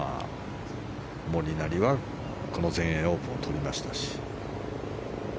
モリナリはこの全英オープンを取りましたし。